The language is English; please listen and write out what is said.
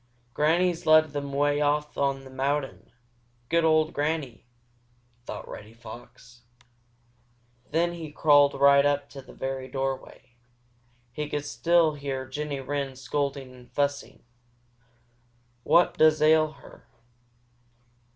"Granny's led them way off on the mountain. Good old Granny!" thought Reddy Fox. Then he crawled right up to the very doorway. He could still hear Jenny Wren scolding and fussing. "What does ail her?